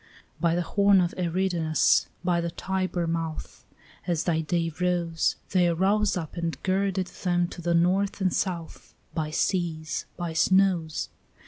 By the horn of Eridanus, by the Tiber mouth, As thy day rose, They arose up and girded them to the north and south, By seas, by snows.